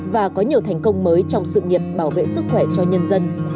và có nhiều thành công mới trong sự nghiệp bảo vệ sức khỏe cho nhân dân